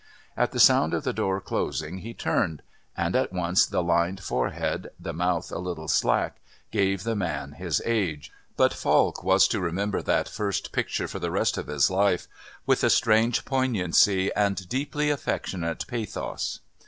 At the sound of the door closing he turned, and at once the lined forehead, the mouth a little slack, gave the man his age, but Falk was to remember that first picture for the rest of his life with a strange poignancy and deeply affectionate pathos.